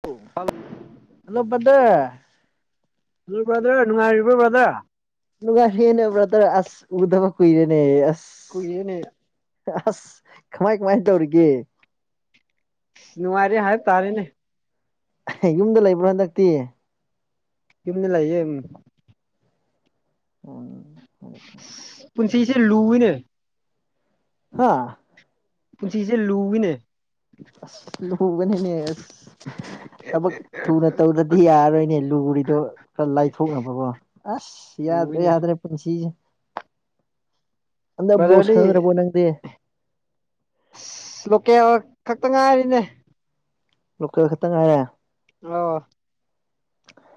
ꯄꯣ hello brother hello brother ꯅꯨꯡꯉꯥꯏꯔꯤꯕ꯭ꯔꯣ ꯕꯗꯔ ꯅꯨꯉꯥꯏꯔꯦꯍꯦꯅꯦ ꯕꯗꯔ ꯑꯁ ꯎꯗꯕ ꯀꯨꯏꯔꯦꯅꯦ ꯑꯁ ꯀꯨꯏꯔꯦꯅꯦ ꯑꯁ ꯀꯃꯥꯏ ꯀꯃꯥꯏ ꯇꯧꯔꯤꯒꯦ ꯅꯨꯡꯉꯥꯏꯔꯤ ꯍꯥꯏꯕ ꯇꯥꯔꯦꯅꯦ ꯍꯩ ꯌꯨꯝꯗ ꯂꯩꯕ꯭ꯔꯣ ꯍꯟꯗꯛꯇꯤ ꯌꯨꯝꯗ ꯂꯩꯌꯦ ꯎꯝ ꯎꯝ ꯎꯨ ꯄꯨꯟꯁꯤꯁꯦ ꯂꯨꯋꯤꯅꯦ ꯍꯥ ꯄꯨꯟꯁꯤꯁꯦ ꯂꯨꯋꯤꯅꯦ ꯑꯁ ꯂꯨꯒꯅꯤꯅꯦ ꯑꯁ ꯊꯕꯛ ꯊꯨꯅ ꯇꯧꯗꯗꯤ ꯌꯥꯔꯔꯣꯏꯅꯦ ꯂꯨꯔꯤꯗꯣ ꯈꯔ ꯂꯥꯏꯊꯣꯛꯅꯕꯀꯣ ꯑꯁ ꯌꯥꯗ꯭ꯔꯦ ꯂꯨꯋꯤꯅꯦ ꯌꯥꯗ꯭ꯔꯦ ꯄꯨꯟꯁꯤꯁꯦ ꯍꯟꯗꯛ ꯕꯣꯜ ꯕꯗꯔꯗꯤ ꯁꯥꯟꯅꯗ꯭ꯔꯕꯣ ꯅꯪꯗꯤ ꯑꯁ ꯂꯣꯀꯦꯜ ꯈꯛꯇ ꯉꯥꯏꯔꯦꯅꯦ ꯂꯣꯀꯦꯜ ꯈꯛꯇ ꯉꯥꯏꯔꯦ ꯂꯣ [inaudible]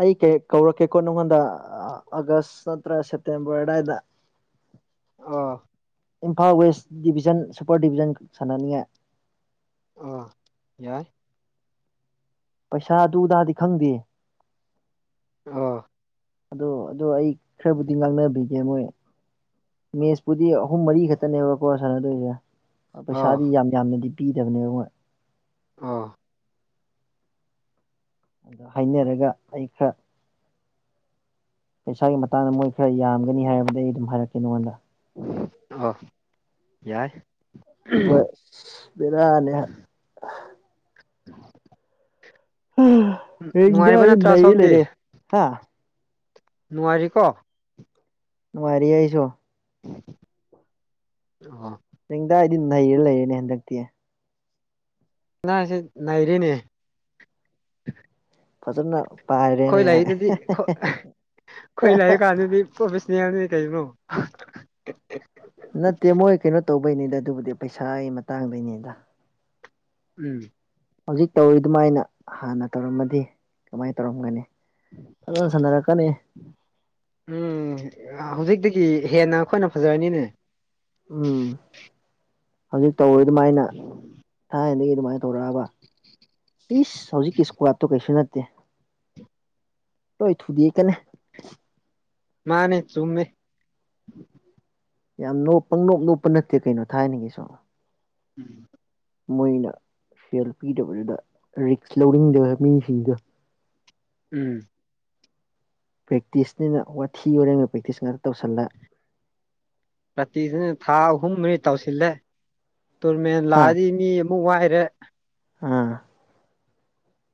ꯑꯩ ꯀꯦ ꯀꯧꯔꯛꯀꯦꯀꯣ ꯅꯪꯉꯣꯟꯗ ꯑꯥ ꯑꯥꯒꯁ ꯅꯠꯇ꯭ꯔ ꯁꯦꯞꯇꯦꯝꯕꯔ ꯑꯗꯥꯏꯗ [inaudible] ꯑꯣ Imphal west division super division ꯁꯥꯟꯅꯅꯤꯡꯉꯥꯏ ꯑꯥ ꯌꯥꯏ ꯄꯩꯁꯥ ꯗꯨꯗꯥꯗꯤ ꯈꯪꯗꯦ ꯑꯥ ꯑꯗꯣ ꯑꯗꯣ ꯑꯩ ꯈꯔꯕꯨꯗꯤ ꯉꯥꯡꯅꯕꯤꯒꯦ ꯃꯣꯏ ꯃꯦꯠꯁꯄꯨꯗꯤ ꯑꯍꯨꯝ ꯃꯔꯤ ꯈꯛꯇꯅꯦꯕꯀꯣ ꯁꯥꯟꯅꯗꯣꯏꯁꯦ ꯑꯥ ꯑꯣ ꯄꯩꯁꯥꯗꯤ ꯌꯥꯝ ꯌꯥꯝꯅꯗꯤ ꯄꯤꯗꯕꯅꯦ ꯃꯣꯏ ꯑꯥ ꯑꯗꯣ ꯍꯥꯏꯅꯔꯒ ꯑꯩ ꯈꯔ ꯄꯩꯁꯥꯒꯤ ꯃꯇꯥꯡꯗ ꯃꯣꯏ ꯈꯔ ꯌꯥꯝꯒꯅꯤ ꯍꯥꯏꯕꯗꯤ ꯑꯩ ꯑꯗꯨꯝ ꯍꯥꯏꯔꯛꯀꯦ ꯅꯉꯣꯟꯗ ꯑꯧ ꯌꯥꯏ ꯍꯣꯏ ꯕꯦꯔꯥꯅꯦ [inaudible] ꯅꯨꯡꯉꯥꯏꯔꯤꯕ ꯔꯤꯡꯗꯥꯏ ꯅꯠꯇ꯭ꯔꯥ ꯅꯩꯔ ꯁꯣꯝꯗꯤ ꯂꯩꯔꯦ ꯍꯥ ꯅꯨꯡꯉꯥꯏꯔꯤꯀꯣ ꯅꯨꯡꯉꯥꯏꯔꯤ ꯑꯩꯁꯨ ꯑꫭ ꯔꯤꯡꯗꯥꯏꯗꯤ ꯅꯩꯔ ꯂꯩꯔꯦꯅꯦ ꯍꯟꯗꯛꯇꯤ ꯉꯁꯦ ꯅꯩꯔꯦꯅꯦ ꯐꯖꯅ ꯈꯣꯏ ꯄꯥꯏꯔꯦꯅꯦ ꯂꯩꯗꯨꯗꯤ ꯈꯣ ꯈꯣꯏ ꯂꯩꯕ ꯀꯥꯟꯗꯨꯗꯤ ꯄ꯭ꯔꯣꯐꯦꯁ꯭ꯅꯜꯅꯦ ꯀꯩꯅꯣ ꯅꯠꯇꯦ ꯃꯣꯏ ꯀꯩꯅꯣ ꯇꯧꯕꯩꯅꯤꯗ ꯑꯗꯨꯕꯨꯗꯤ ꯄꯩꯁꯥꯒꯤ ꯃꯇꯥꯡꯗꯩꯅꯤꯗ ꯎꯝ꯫ ꯍꯧꯖꯤꯛ ꯇꯧꯔꯤ ꯑꯗꯨꯃꯥꯏꯅ ꯍꯥꯟꯅ ꯇꯧꯔꯝꯃꯗꯤ ꯀꯃꯥꯏ ꯇꯧꯔꯝꯒꯅꯤ ꯐꯖꯅ ꯁꯥꯟꯅꯔꯛꯀꯅꯤ ꯎꯝ ꯍꯧꯖꯤꯛꯇꯒꯤ ꯍꯦꯟꯅ ꯑꯩꯈꯣꯏꯅ ꯐꯖꯔꯅꯤꯅꯦ ꯎꯝ ꯍꯧꯖꯤꯛ ꯇꯧꯋꯦ ꯑꯗꯨꯃꯥꯏꯅ ꯊꯥꯏꯅꯗꯒꯤ ꯑꯗꯨꯃꯥꯏ ꯇꯧꯔꯛꯑꯕ ꯄꯤꯁ ꯍꯧꯖꯤꯛꯀꯤ ꯏꯁꯀ꯭ꯋꯥꯗꯇꯣ ꯀꯩꯁꯨ ꯅꯠꯇꯦ ꯇꯣꯏ ꯊꯨꯗꯦꯛ ꯀꯅꯦ ꯃꯥꯅꯦ ꯆꯨꯝꯃꯦ ꯌꯥꯝ ꯅꯣꯛꯞ ꯄꯪꯅꯣꯛꯞ ꯅꯣꯛꯞꯄ ꯅꯠꯇꯦ ꯀꯩꯅꯣ ꯊꯥꯏꯅꯤꯡꯒꯤꯁꯨ ꯎꯝ꯫ ꯃꯣꯏꯅ ꯁꯦꯜ ꯄꯤꯗꯕꯗꯨꯗ ꯔꯤꯛꯁ ꯂꯧꯅꯤꯡꯗꯕ ꯃꯤꯁꯤꯡꯗꫭ ꯎꯝ꯫ ꯄ꯭ꯔꯦꯛꯇꯤꯁꯅꯤꯅ ꯋꯥꯊꯤ ꯋꯥꯔꯦꯝꯒꯤ ꯄ꯭ꯔꯦꯛꯇꯤꯁ ꯉꯥꯛꯇ ꯇꯧꯁꯜꯂꯦ ꯄꯥꯇꯤꯁꯅ ꯊꯥ ꯑꯍꯨꯝ ꯃꯔꯤ ꯇꯧꯁꯤꯜꯂꯦ ꯇꯣꯔꯃꯦꯟ ꯑꯥ ꯂꯥꯛꯑꯗꯤ ꯃꯤ ꯑꯃꯨꯛ ꯋꯥꯏꯔꯦ ꯑꯥ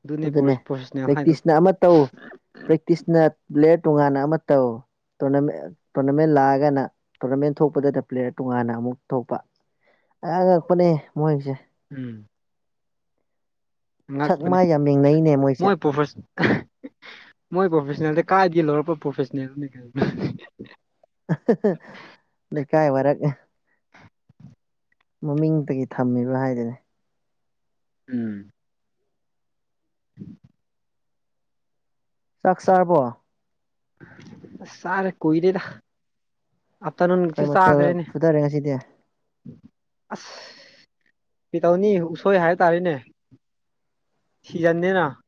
ꯑꯗꯨꯅꯤ ꯑꯗꯨꯅꯦ ꯄ꯭ꯔꯣꯐꯦꯁꯅꯦꯜ ꯍꯥꯏꯗꯣ ꯄ꯭ꯔꯦꯛꯇꯤꯁꯅ ꯑꯃ ꯇꯧ ꯄ꯭ꯔꯦꯛꯇꯤꯁꯅ ꯄ꯭ꯂꯦꯌꯔ ꯇꯣꯉꯥꯟꯅ ꯑꯃ ꯇꯧ ꯇꯣꯔꯅꯥꯃꯦꯟ ꯇꯣꯔꯅꯥꯃꯦꯟ ꯂꯥꯛꯑꯒꯅ ꯇꯣꯔꯅꯥꯃꯦꯟ ꯊꯣꯛꯄꯗꯗ ꯄ꯭ꯂꯦꯌꯔ ꯇꯣꯉꯥꯟꯅ ꯑꯃꯨꯛ ꯊꯣꯛꯄ ꯑ ꯑꯉꯛꯄꯅꯦ ꯃꯣꯏꯁꯦ ꯎꯝ꯫ ꯁꯛ ꯉꯛꯄꯅꯦ ꯃꯥꯏ ꯌꯥꯝ ꯌꯦꯡꯅꯩꯅꯦ ꯃꯣꯏꯁꯦ ꯃꯣꯏ ꯄ꯭ꯔꯣꯐꯦꯁ ꯃꯣꯏ ꯄ꯭ꯔꯣꯐꯦꯁ꯭ꯅꯜꯁꯦ ꯀꯥꯏꯗꯒꯤ ꯂꯧꯔꯛꯄ ꯄ꯭ꯔꯣꯐꯦꯁ꯭ꯅꯜꯗꯨꯅꯤ ꯀꯒꯤꯅꯣ ꯂꯩꯀꯥꯏ ꯋꯥꯔꯛ ꯃꯃꯤꯡꯇꯒꯤ ꯊꯝꯃꯤꯕ ꯍꯥꯏꯗꯨꯅꯦ ꯎꯝ꯫ [inaudible] ꯆꯥꯛ ꯆꯥꯔꯕꯣ ꯑꯁ ꯆꯥꯔꯦ ꯀꯨꯏꯔꯦꯗ ꯀꯩ ꯑꯥꯐ꯭ꯇꯔꯅꯨꯟꯒꯤꯁꯨ ꯃꯊꯦꯜ ꯆꯥꯈ꯭ꯔꯦꯅꯦ ꯐꯨꯊꯔꯦ ꯉꯁꯤꯗꯤ ꯑꯁ ꯄꯤꯇꯧꯅꯤ ꯎꯁꯣꯏ ꯍꯥꯏ ꯇꯥꯔꯦꯅꯦ ꯁꯤꯖꯟꯗꯦꯅꯥ ꯫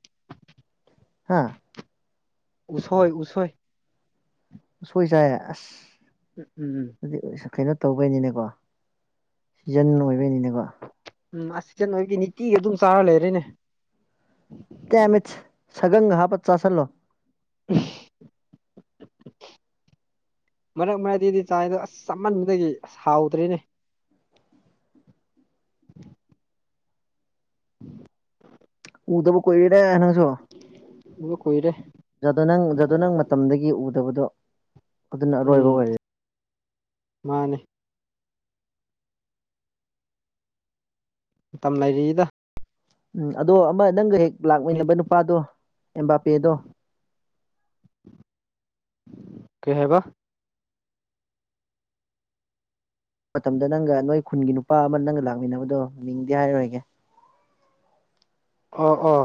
ꯍꯥꯥ ꯎꯁꯣꯏ ꯎꯁꯣꯏ꯫ ꯎꯁꯣꯏ ꯆꯥꯏꯌꯦ ꯑꯁ꯫ ꯎꯝ ꯎꯝ ꯗꯨꯗꯤ ꯀꯩꯅꯣ ꯇꯧꯕꯩꯅꯤꯅꯦꯒꯣ ꯁꯤꯖꯟ ꯂꯣꯏꯕꯩꯅꯤꯅꯦꯒꯣ ꯫ ꯎꯝ ꯑꯁꯤꯗ ꯅꯣꯏꯒꯤ ꯅꯤꯇꯤ ꯑꯗꯨꯝ ꯆꯥꯔ ꯂꯩꯔꯦꯅꯦ꯫ ꯇꯦꯃꯤꯠ ꯁꯒꯪꯒ ꯍꯥꯞꯄ ꯆꯥꯥꯁꯜꯂꯣ꯫ [inaudible] ꯃꯔꯛ ꯃꯔꯛꯇꯗꯤ ꯆꯥꯏꯗꯣ ꯑꯁ ꯆꯃꯟꯕꯗꯒꯤ ꯑꯁ ꯍꯥꯎꯗ꯭ꯔꯦꯅꯦ꯫ ꯎꯗꯕ ꯀꯨꯏꯔꯦ ꯅꯡꯁꯣ ꯎꯕ ꯀꯨꯏꯔꯦ ꯫ ꯖꯥꯗꯣꯅꯪ ꯖꯥꯗꯣꯅꯪ ꯃꯇꯝꯗꯒꯤ ꯎꯗꯕꯗꯣ꯫ ꯑꯗꯨꯅ ꯑꯔꯣꯏꯕ ꯎꯝ ꯑꯣꯏꯔꯦ ꯃꯥꯅꯤ ꯫ ꯃꯇꯝ ꯂꯩꯔꯤꯗꯥ ꯎꯝ ꯑꯗꯣ ꯑꯃ ꯅꯪꯒ ꯍꯦꯛ ꯂꯥꯛꯃꯤꯟꯅꯕ ꯅꯨꯄꯥꯗꯣ ꯑꯦꯝꯕꯥꯄꯦꯗꯣ꯫ ꯀꯩ ꯍꯥꯏꯕ ꯃꯇꯝꯗ ꯅꯪꯒ ꯅꯣꯏ ꯈꯨꯟꯒꯤ ꯅꯨꯄꯥ ꯑꯃ ꯅꯪꯒ ꯂꯥꯛꯃꯤꯟꯅꯕꯗꯣ ꯃꯤꯡꯗꯤ ꯍꯥꯏꯔꯣꯏꯒꯦ꯫ ꯑꯣ ꯑꯣ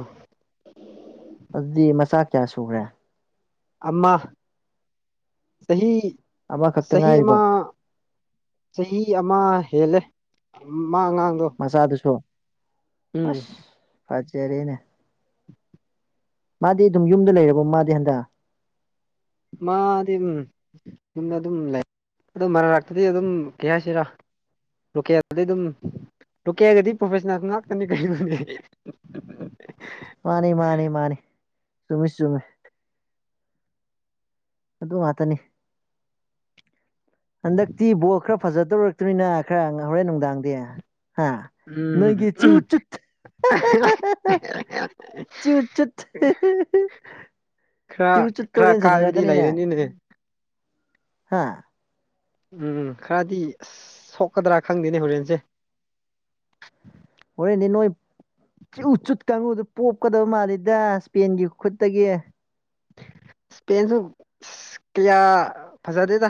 ꯑꯗꯨꯗꯤ ꯃꯆꯥ ꯀꯌꯥ ꯁꯨꯈ꯭ꯔꯦ꯫ ꯑꯃꯥ ꯆꯍꯤ ꯑꯃꯈꯛꯇ ꯆꯍꯤ ꯉꯥꯏꯔꯤꯕ ꯑꯃ꯫ ꯆꯍꯤ ꯑꯃ ꯍꯦꯜꯂꯦ ꯃꯥꯑꯉꯥꯡꯗꯣ꯫ ꯃꯆꯥꯗꯨꯁꯨ ꯑꯁ ꯐꯖꯔꯦꯅꯦ꯫ ꯃꯥꯗꯤ ꯗꯨꯝ ꯌꯨꯝꯗ ꯂꯩꯔꯕꯣ ꯃꯥꯗꯤ ꯍꯟꯗꯛ꯫ ꯃꯥꯗꯤ ꯎꯝ꯫ ꯌꯨꯝꯗ ꯑꯗꯨꯝ ꯂꯩ ꯑꯗꯨ ꯃꯔꯥ ꯔꯛꯇꯗꯤ ꯑꯗꯨꯝ ꯀꯩ ꯍꯥꯏꯁꯤꯔꯥ꯫ ꯂꯣꯀꯦꯜꯗꯗꯤ ꯑꯗꯨꯝ ꯂꯣꯀꯦꯜꯒꯗꯤ ꯄ꯭ꯔꯣꯐꯦꯁꯅꯦꯜ ꯉꯥꯛꯇꯅꯤ ꯀꯩꯅꯣꯅꯦ ꯫ ꯃꯥꯅꯤ ꯃꯥꯅꯤ ꯃꯥꯅꯤ ꯆꯨꯝꯃꯤ ꯆꯨꯝꯃꯤ꯫ ꯑꯗꯨ ꯉꯥꯠꯇꯅꯤ꯫ ꯍꯟꯗꯛꯇꯤ ꯕꯣꯜ ꯈꯔ ꯐꯖꯗꯧꯔꯛꯇꯣꯔꯤꯅ ꯈꯔ ꯍꯣꯔꯦꯟ ꯅꯨꯡꯗꯥꯡꯗꯤ ꯍꯥ꯫ ꯎꯝ ꯅꯣꯏꯒꯤ ꯆꯨ ꯆꯨꯠ ꯆꯨ ꯆꯨꯠ ꯈꯔ ꯆꯨ ꯆꯨꯨꯠꯇꯣ ꯈꯔ ꯍꯨꯔꯦꯟ ꯀꯥꯏꯕꯗꯤ ꯁꯟꯅꯔꯛꯀꯅꯤꯅꯦ ꯂꯩꯔꯅꯤꯅꯦ ꯍꯥ ꯫ ꯎꯝ ꯈꯔꯗꯤ ꯁꯣꯛꯀꯗ꯭ꯔꯥ ꯈꯪꯗꯦꯅꯦ ꯍꯣꯔꯦꯟꯖꯦ ꯫ ꯍꯣꯔꯦꯟꯗꯤ ꯅꯣꯏ꯫ ꯆꯤꯎ ꯆꯨꯠ ꯀꯥꯡꯕꯨꯗꯣ ꯄꯣꯛꯀꯗꯕ ꯃꯥꯜꯂꯤꯗꯥ ꯁꯄꯦꯟꯒꯤ ꯈꯨꯠꯇꯒꯤ꯫ ꯁꯄꯦꯟꯁꯨ ꯀꯌꯥ ꯐꯖꯗꯦꯗ꯫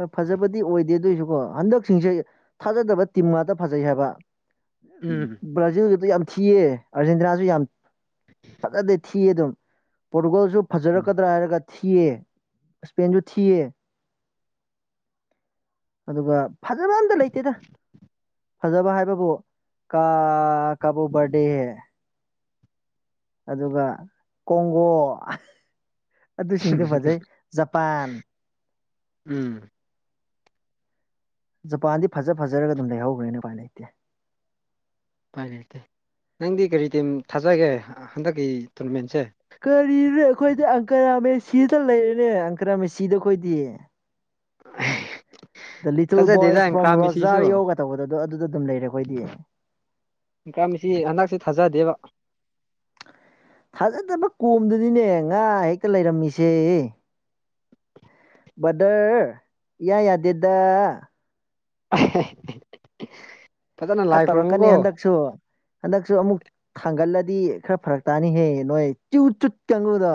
ꯍꯣꯏ ꯐꯖꯕꯗꯤ ꯑꯣꯏꯗꯦ ꯑꯗꯨꯏꯁꯨꯀꯣ ꯍꯟꯗꯛꯁꯤꯡꯁꯦ ꯊꯥꯖꯗꯕ ꯇꯤꯝ ꯉꯥꯠꯇ ꯐꯖꯩ ꯍꯥꯏꯕ꯫ ꯎꯝ ꯕ꯭ꯔꯥꯖꯤꯜꯒꯗꯣ ꯌꯥꯝ ꯊꯤꯌꯦ ꯑꯥꯔꯖꯦꯟꯇꯤꯅꯥꯁꯨ ꯌꯥꯝ ꯐꯖꯗꯦ ꯊꯤ ꯊꯤꯌꯦ ꯑꯗꯨꯝ ꯄꯣꯔꯇꯨꯒꯜꯁꯨ ꯎꯝ ꯐꯖꯔꯛꯀꯗ꯭ꯔꯥ ꯍꯥꯏꯔꯒ ꯊꯤꯌꯦ ꯁꯄꯦꯟꯖꯨ ꯊꯤꯌꯦ꯫ ꯑꯗꯨꯒ ꯐꯖꯕ ꯑꯝꯇ ꯂꯩꯇꯦꯗ ꯐꯖꯕ ꯍꯥꯏꯕꯕꯨ ꯀꯥ ꯑꯥ ꯀꯕꯣꯕꯔꯗꯦ ꯫ ꯑꯗꯨꯒ ꯀꯣꯡꯒꯣ ꯑꯗꯨꯁꯤꯡꯗꯣ ꯐꯖꯩ ꯖꯄꯥꯟ ꯎꯝ ꯖꯄꯥꯟꯗꯤ ꯐꯖ ꯐꯖꯔꯒ ꯗꯨꯝ ꯂꯩꯍꯧꯒꯔ꯭ꯦꯅꯦ ꯎꯄꯥꯏ ꯂꯩꯇꯦ꯫ ꯥꯄꯥꯏ ꯂꯩꯇꯦ ꯅꯪꯗꯤ ꯀꯔꯤ ꯇꯤꯝ ꯊꯥꯖꯒꯦ ꯍꯟꯗꯛꯀꯤ ꯇꯣꯔꯅꯃꯦꯟꯁꯦ꯫ ꯀꯔꯤꯅꯣ ꯑꯩꯈꯣꯏꯗꯤ ꯑꯪꯀꯔꯥꯃꯦꯁꯤꯗ ꯂꯩꯔꯦꯅꯦ ꯑꯪꯀ꯭ꯔꯥ ꯃꯦꯁꯤꯗ ꯑꯩꯈꯣꯏꯗꯤ꯫ [unintelligible] ꯗ ꯂꯤꯇꯜ ꯕꯣꯏ ꯊꯥꯖꯗꯦꯗ ꯏꯟꯀ꯭ꯔꯥ ꯐ꯭ꯔꯣꯝ ꯃꯦꯁꯤꯁꯨ ꯔꯣꯖꯥꯔ꯭ꯌꯧꯒ ꯇꯧꯕꯗꯗꯣ ꯑꯗꯨꯗ ꯑꯗꯨꯝ ꯂꯩꯔꯦ ꯑꯩꯈꯣꯏꯗꯤ꯫ ꯑꯪꯀ꯭ꯔꯥ ꯃꯦꯁꯤ ꯍꯟꯗꯛꯁꯤ ꯊꯥꯖꯗꯦꯕ꯫ ꯊꯥꯖꯗꯕ ꯀꯣꯝꯗꯨꯅꯤꯅꯦ ꯉꯥ ꯍꯦꯛꯇ ꯂꯩꯔꯝꯃꯤꯁꯦ꯫ ꯕꯔꯗꯔ ꯏꯌꯥ ꯌꯥꯗꯦꯗꯥ꯫ [unintelligible] ꯐꯖꯅ ꯂꯥꯏ ꯈꯨꯔꯃꯨꯀꯣ꯫ ꯁꯨ ꯍꯟꯗꯛꯁꯨ ꯑꯃꯨꯛ ꯊꯥꯡꯒꯠꯂꯗꯤ ꯈꯔ ꯐꯔꯛ ꯇꯥꯅꯤꯍꯦ ꯅꯣꯏ ꯆꯨ ꯆꯨꯠ ꯀꯥꯡꯉꯨꯗꯣ꯫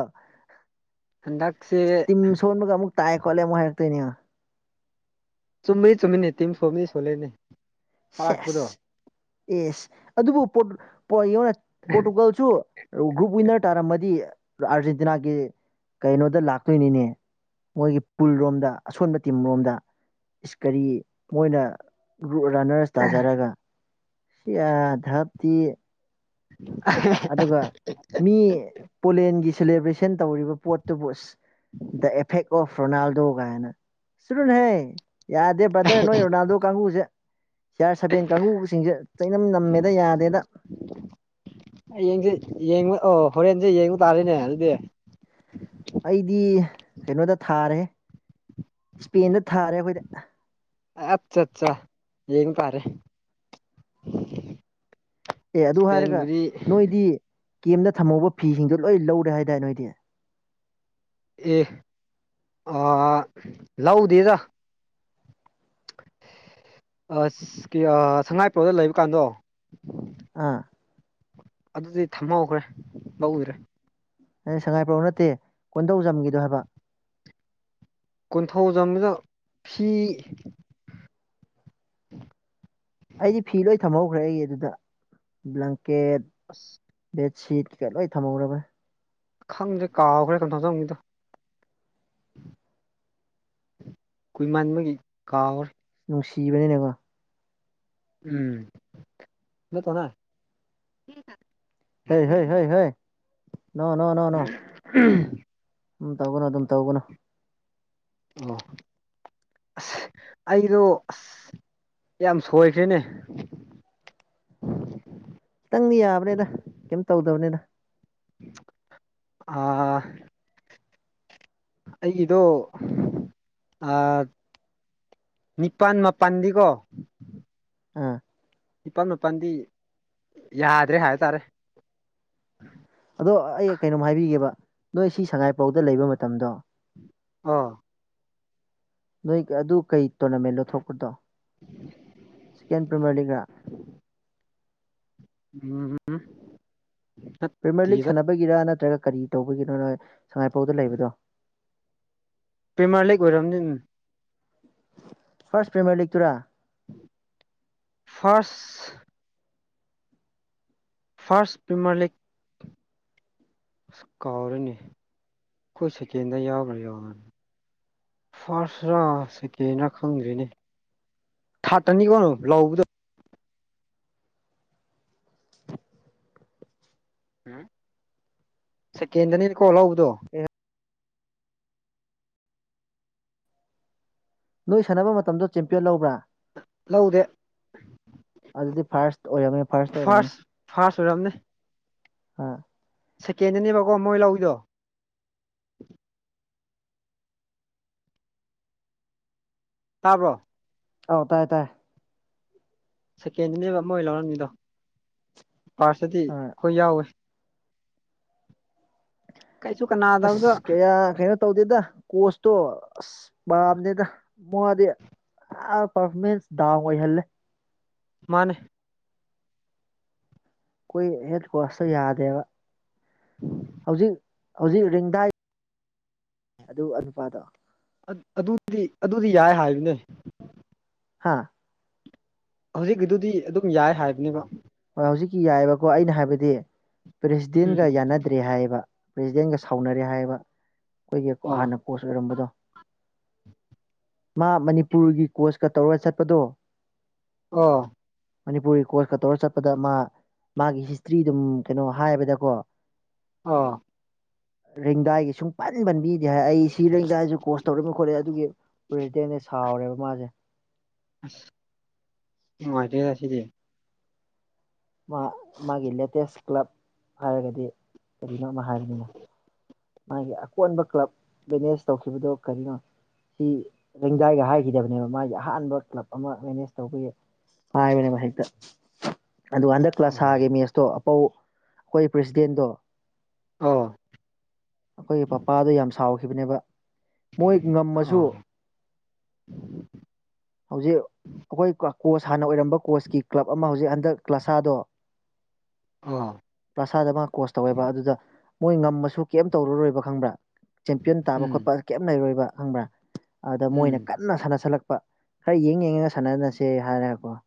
ꯍꯟꯗꯛ ꯇꯤꯝ ꯁꯣꯟꯕꯒ ꯑꯃꯨꯛ ꯇꯥꯏ ꯈꫭꯠꯂꯦ ꯑꯃꯨꯛ ꯍꯥꯏꯔꯛꯇꯣꯏꯅꯤ꯫ ꯆꯨꯝꯃꯤ ꯆꯨꯝꯃꯤꯅꯦ ꯇꯤꯝ ꯁꯣꯝꯃꯤ ꯁꯣꯜꯂꯦꯅꯦ꯫ ꯇꯥꯔꯛꯄꯗꯣ ꯁꯦꯁ ꯑꯦꯁ ꯑꯗꯨꯕꯨ ꯄꫭꯔꯇꯨ ꯌꫭꯅ ꯄꯣꯔꯇꯨꯒꯜꯁꯨ ꯒ꯭ꯔꯨꯞ ꯋꯤꯟꯅꯔ ꯇꯥꯔꯝꯃꯗꯤ ꯑꯥꯔꯖꯦꯟꯇꯤꯅꯥꯒꯤ ꯀꯩꯅꯣꯗ ꯂꯥꯛꯇꯣꯏꯅꯤꯅꯦ꯫ ꯃꯣꯏꯒꯤ ꯄꯨꯜꯔꯣꯝꯗ ꯑꯁꯣꯟꯕ ꯇꯤꯝꯔꯣꯝꯗ꯫ ꯏꯁ ꯀꯔꯤ ꯃꯣꯏꯅ ꯔꯨ ꯔꯅꯔꯁ ꯇꯥꯖꯔꯒ ꯁꯤ ꯑ ꯙꯞꯇꯤ꯫ [inaudible] ꯑꯗꯨꯒ ꯃꯤ ꯄꯣꯂꯦꯟꯒꯤ ꯁꯦꯂꯦꯕ꯭ꯔꯦꯁꯟ ꯇꯧꯔꯤꯕ ꯄꯣꯠꯇꯨꯕꯨ ꯑꯁ ꯗ ꯑꯦꯐꯦꯛ ꯑꯣꯐ ꯔꯣꯅꯥꯜꯗꯣ ꯀꯥꯏꯅ ꯆꯔꯨꯅꯦꯍꯦ꯫ ꯌꯥꯗꯦ ꯕ꯭ꯔꯗꯔ ꯅꯣꯏ ꯔꯣꯅꯥꯜꯗꯣ ꯀꯥꯡꯒꯨꯁꯦ꯫ ꯁꯤꯌꯥꯔ ꯁꯕꯦꯟ ꯀꯥꯡꯕꯨꯁꯤꯡꯁꯦ ꯆꯩꯅꯝ ꯅꯝꯃꯦꯗ ꯌꯥꯗꯦꯗ꯫ ꯍꯌꯦꯡꯁꯦ ꯌꯦꯡꯕ ꯑꯣ ꯍꯣꯔꯦꯟꯁꯦ ꯌꯦꯡꯕ ꯇꯥꯔꯤꯅꯦ ꯑꯗꯨꯗꯤ꯫ ꯑꯩꯗꯤ ꯀꯩꯅꯣꯗ ꯊꯥꯔꯦꯍꯦ ꯁ꯭ꯄꯦꯟꯗ ꯊꯥꯔꯦ ꯑꯩꯈꯣꯏꯗꯤ꯫ ꯑꯠꯆꯥ ꯆꯥ ꯌꯦꯡꯕ ꯇꯥꯔꯦ꯫ ꯑꯦ ꯑꯗꯨ ꯍꯥꯏꯔꯒ ꯏꯁꯄꯦꯟꯕꯨꯗꯤ ꯅꯣꯏꯗꯤ ꯀꯦꯝꯗ ꯊꯝꯍꯧꯕ ꯐꯤꯁꯤꯡꯗꯣ ꯂꯣꯏ ꯂꯧꯔꯦ ꯍꯥꯏꯗꯥꯏ ꯅꯣꯏꯗꯤ꯫ ꯑꯦ ꯑꯥ ꯂꯧꯗꯦꯗ꯫ ꯑꯁ ꯀꯤ ꯑꯥ ꯁꯉꯥꯏꯄ꯭ꯔꯧꯗ ꯂꯩꯕꯀꯥꯟꯗꯣ ꯑꯥ꯫ ꯑꯗꯨꯗꯩ ꯊꯝꯍꯧꯈ꯭ꯔꯦ ꯂꯧꯗ꯭ꯔꯦ꯫ ꯑꯩ ꯁꯉꯥꯏꯄ꯭ꯔꯧ ꯅꯠꯇꯦ ꯀꯣꯟꯙꯧꯖꯝꯒꯤꯗꯣ ꯍꯥꯏꯕ꯫ ꯀꯣꯟꯊꯧꯖꯝꯗꯨꯗ ꯐꯤ ꯑꯩꯗꯤ ꯐꯤ ꯂꯣꯏ ꯊꯝꯍꯧꯈ꯭ꯔꯦ ꯑꯩꯒꯤ ꯑꯗꯨꯗ ꯕ꯭ꯂꯥꯡꯀꯦꯠ ꯑꯁ꯫ ꯕꯦꯠꯁꯤꯠ ꯀꯩꯀ ꯂꯣꯏ ꯊꯝꯍꯧꯔꯕ꯫ ꯈꯪꯗ꯭ꯔꯦ ꯀꯥꯎꯈ꯭ꯔꯦ ꯀꫭꯟꯊꯧꯖꯝꯒꯤꯗꫭ꯫ ꯀꯨꯏꯃꯟꯕꯒꯤ ꯀꯥꯎꯔꯦ꯫ ꯅꯨꯡꯁꯤꯕꯅꯤꯅꯦꯀꯣ꯫ ꯎꯝ ꯅꯠꯇꯣꯅ [inaudible] ꯍꯩ ꯍꯩ ꯍꯩ ꯍꯩ ꯅꫭ ꯅꫭ ꯅꫭ [unintelligible] ꯎꯝ ꯇꯧꯒꯅꯨ ꯑꯗꯨꯝ ꯇꯧꯒꯅꯨ꯫ ꯑꯣ ꯑꯁ ꯑꯩꯗꯣ ꯑꯁ ꯌꯥꯝ ꯁꯣꯏꯈ꯭ꯔꯦꯅꯦ꯫ ꯈꯤꯇꯪꯗꯤ ꯌꯥꯕꯅꯦꯗ ꯀꯩꯝ ꯇꯧꯗꯕꯅꯦꯗ꯫ [unintelligible] ꯑꯥ ꯑꯩꯒꯤꯗꯣ ꯑ ꯅꯤꯄꯥꯟ ꯃꯄꯥꯟꯗꯤꯀꯣ ꯑꯥ ꯅꯤꯄꯥꯟ ꯃꯥꯄꯟꯗꯤ ꯌꯥꯗ꯭ꯔꯦ ꯍꯥꯏꯇꯥꯔꯦ ꯑꯗꯣ ꯑꯩ ꯀꯩꯅꯣꯝ ꯍꯥꯏꯕꯤꯒꯦꯕ ꯅꯣꯏ ꯁꯤ ꯁꯉꯥꯏꯄꯧꯗ ꯂꯩꯕ ꯃꯇꯝꯗꯣ ꯍꯣ ꯅꯣꯏ ꯑꯗꯨ ꯀꯩ ꯇꯣꯔꯅꯥꯃꯦꯟꯅꯣ ꯊꯣꯛꯄꯗꯣ ꯁꯤꯀꯦꯟ ꯄ꯭ꯔꯤꯃꯔ ꯂꯤꯒꯔꯥ ꯎꯝ ꯎꯝ ꯄ꯭ꯔꯤꯃꯔ ꯂꯤꯒ ꯁꯥꯟꯅꯕꯒꯤꯔ ꯅꯠꯇ꯭ꯔꯒ ꯀꯔꯤ ꯇꯧꯕꯒꯤꯅꯣ ꯅꯣꯏ ꯁꯉꯥꯏꯄꯧꯗ ꯂꯩꯕꯗꯣ ꯄꯤꯃꯔꯂꯤꯛ ꯑꯣꯏꯔꯝꯅꯤ ꯐꯔꯁ ꯄ꯭ꯔꯤꯃꯔ ꯂꯤꯛ ꯇꯨꯔꯥ ꯐꯥꯔꯁ ꯐꯥꯔꯁ ꯄꯔꯤꯃꯔ ꯂꯤꯛ ꯑꯁ ꯀꯥꯎꯔꯦꯅꯤ ꯑꯈꯣꯏ ꯁꯦꯀꯦꯟꯗ ꯌꯥꯎꯕ꯭ꯔꯥ ꯌꯥꯎꯔꯅꯤ ꯐꯥꯔꯁꯔ ꯁꯦꯀꯦꯟꯔ ꯈꯪꯗ꯭ꯔꯤꯅꯦ ꯊꯠꯇꯅꯤꯀꯣ ꯂꯧꯕꯗꯨ ꯁꯦꯀꯦꯟꯗ꯭ꯔꯅꯤ ꯀꯣ ꯂꯧꯕꯗꯣ ꯅꯣꯏ ꯁꯥꯟꯅꯕ ꯃꯇꯝꯗꯣ ꯆꯦꯝꯄꯤꯌꯟ ꯂꯧꯕ꯭ꯔꯥ ꯂꯧꯗꯦ ꯑꯗꯨꯗꯤ ꯐꯥꯔꯁ ꯑꯣꯏꯔꯝꯃ ꯐꯥꯔꯁ ꯐꯥꯔꯁ ꯑꯣꯏꯔꯝꯅꯤ ꯑꯥ ꯁꯦꯀꯦꯟꯗꯅꯦꯕꯀꯣ ꯃꯣꯏ ꯂꯧꯏꯗꯣ ꯇꯥꯕ꯭ꯔꯣ ꯑꯧ ꯇꯥꯏꯌꯦ ꯇꯥꯏ ꯁꯦꯀꯦꯟꯗꯅꯦꯕ ꯃꯣꯏ ꯂꯧꯔꯝꯃꯤꯗꯣ ꯐꯥꯔꯁꯇꯗꯤ ꯑꯥ ꯑꯈꯣꯏ ꯌꯥꯎꯋꯦ ꯀꯩꯁꯨ ꯀꯅꯥ ꯑꯁ ꯀꯌꯥ ꯀꯩꯅꯣ ꯇꯧꯗꯦꯗ ꯀꯣꯁꯇꯣ ꯑꯁ ꯄꯥꯝꯗꯦꯗ ꯃꯗꯤ ꯑ ꯄꯔꯐꯃꯦꯟꯁ ꯗꯥꯎꯟ ꯑꯣꯏꯍꯜꯂꯦ ꯃꯥꯅꯦ ꯀꯣꯏ ꯍꯦꯠ ꯀ꯭ꯋꯥꯁꯇꯣ ꯌꯥꯗꯦꯕ ꯍꯧꯖꯤꯛ ꯍꯧꯖꯤꯛ ꯔꯤꯡꯗꯥꯏ ꯑꯗꯨ ꯑ ꯅꯨꯄꯥꯗꯣ ꯑꯠ ꯑꯗꯨꯗꯤ ꯑꯗꯨꯗꯤ ꯌꯥꯏ ꯍꯥꯏꯕꯅꯦ ꯍꯥꯥ ꯍꯧꯖꯤꯛꯀꯤꯗꯨꯗꯤ ꯑꯗꯨꯝ ꯌꯥꯏ ꯍꯥꯏꯕꯅꯦꯕ ꯍꯣꯏ ꯍꯧꯖꯤꯛꯀꯤ ꯌꯥꯏꯌꯦꯕꯀꯣ ꯑꯩꯅ ꯍꯥꯏꯕꯗꯤ ꯄ꯭ꯔꯦꯁꯤꯗꯦꯟꯒ ꯎꯝ ꯌꯥꯅꯗ꯭ꯔꯦ ꯍꯥꯏꯌꯦꯕ ꯄ꯭ꯔꯦꯁꯤꯗꯦꯟꯒ ꯁꯥꯎꯅꯔꯦ ꯍꯥꯏꯕ ꯑꯈꯣꯏꯒꯤ ꯑꯣ ꯍꯥꯟꯅ ꯀꯣꯆ ꯑꯣꯏꯔꯝꯕꯗꯣ ꯃꯥ ꯃꯅꯤꯄꯨꯔꯒꯤ ꯀꯣꯆꯀ ꯇꯧꯔꯒ ꯆꯠꯄꯗꯣ ꯑꯣ ꯃꯅꯤꯄꯨꯔꯒꯤ ꯀꯣꯁꯀ ꯇꯧꯔ ꯆꯠ ꯄꯗ ꯃꯥ ꯃꯥꯒꯤ ꯍꯤꯁꯇ꯭ꯔꯤ ꯑꯗꯨꯝ ꯀꯩꯅꯣ ꯍꯥꯏꯕꯗꯀꯣ ꯑꯥ ꯔꯦꯡꯗꯥꯏꯒꯤ ꯁꯨꯡ ꯄꯟ ꯄꯟꯕꯤꯗꯦ ꯍꯥꯏ ꯑꯩ ꯁꯤ ꯔꯦꯡꯖꯥꯏꯁꯨ ꯀꯣꯁ ꯇꯧꯔꯒ ꯈꯣꯠꯂꯦ ꯑꯗꯨꯒꯤ ꯄ꯭ꯔꯁꯤꯗꯦꯁꯦ ꯁꯥꯎꯔꯦꯕ ꯃꯥꯁꯦ ꯅꯨꯡꯉꯥꯏꯇꯦꯍꯦ ꯑꯁꯤꯗꯤ ꯃꯥ ꯃꯥꯒꯤ ꯂꯦꯇꯦꯁ ꯀ꯭ꯂꯕ ꯍꯥꯏꯔꯒꯗꯤ ꯀꯔꯤꯅꯣ ꯑꯃ ꯍꯥꯏꯕꯅꯤꯅ ꯃꯥꯒꯤ ꯑꯀꯣꯟꯕ ꯀ꯭ꯂꯕ ꯃꯦꯅꯦꯖ ꯇꯧꯈꯤꯕꯗꯣ ꯀꯔꯤꯅꯣ ꯁꯤ ꯂꯦꯡꯗꯥꯥꯏꯒ ꯍꯥꯏꯈꯤꯗꯕꯅꯦꯕ ꯃꯥꯒꯤ ꯑꯍꯥꯟꯕ ꯀ꯭ꯂꯕ ꯑꯃ ꯃꯦꯅꯦꯖ ꯇꯧꯕꯒꯤ ꯍꯥꯏꯕꯅꯦꯕ ꯍꯦꯛꯇ ꯑꯗꯨ ꯍꯟꯗꯛ ꯑꯣ ꯀ꯭ꯂꯥꯁꯥꯒꯤ ꯃꯦꯠꯁꯇꯣ ꯑꯄꯧ ꯑꯩꯈꯣꯏ ꯄ꯭ꯔꯁꯤꯗꯦꯟꯗꯣ ꯑꯧ ꯑꯩꯈꯣꯏꯒꯤ ꯄꯄꯥꯗꯨ ꯌꯥꯝ ꯁꯥꯎꯈꯤꯕꯅꯦꯕ ꯃꯣꯏ ꯉꯝꯃꯁꯨ ꯑꯣ ꯍꯧꯖꯤꯛ ꯑꯩꯈꯣꯏ ꯀ ꯀꯣꯆ ꯍꯥꯟꯅ ꯑꯣꯏꯔꯝꯕ ꯀꯣꯆꯀꯤ ꯀ꯭ꯂꯕ ꯑꯃ ꯍꯧꯖꯤꯛ ꯍꯟꯗꯛ ꯀ꯭ꯂꯥꯁꯥꯗꯣ ꯑꯣ ꯀ꯭ꯂꯥꯁꯥꯗ ꯃꯥ ꯀꯣꯆꯁ ꯇꯧꯋꯦꯕ ꯑꯗꯨꯗ ꯃꯣꯏ ꯉꯝꯃꯁꯨ ꯀꯩꯝ ꯇꯧꯔꯔꯣꯏꯕ ꯈꯪꯕ꯭ꯔꯥ ꯆꯦꯝꯄꯤꯌꯟ ꯇꯥꯕ ꯎꯝ ꯈꯣꯠꯄ ꯀꯩꯝ ꯂꯩꯔꯣꯏꯕ ꯈꯪꯕ꯭ꯔꯥ ꯑꯗ ꯃꯣꯏꯅ ꯎꯝ ꯀꯟꯅ ꯁꯥꯟꯅꯁꯜꯂꯛꯄ ꯈꯔ ꯌꯦꯡ ꯌꯦꯡꯉꯒ ꯁꯥꯟꯅꯅꯁꯦ ꯍꯥꯏꯔꯀꯣ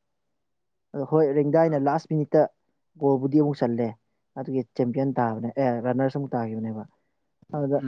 ꯑ ꯍꯣꯏ ꯔꯦꯡꯗꯥꯏꯅ ꯂꯥꯁ ꯃꯤꯅꯤꯠꯇ ꯒꯣꯜꯕꯨꯗꯤ ꯑꯃꯨꯛ ꯆꯜꯂꯦ ꯑꯗꯨꯒꯤ ꯆꯦꯝꯄꯤꯌꯟ ꯇꯥꯕꯅꯦ ꯑꯦ ꯔꯟꯅꯔꯁꯨ ꯑꯃꯨꯛ ꯇꯥꯈꯤꯕꯅꯦꯕ ꯑꯗꯨꯗ